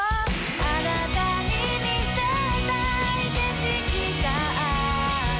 「あなたに見せたい景色がある」